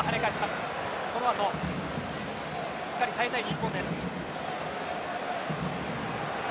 この後しっかり耐えたい日本です。